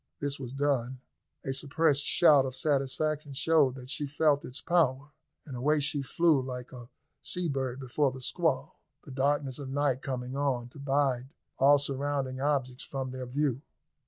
This was done. A suppressed shout of satisfaction showed that she felt its power, and away she flew like a sea bird before the squall, the darkness of night coming on to bide all surrounding objects from their view.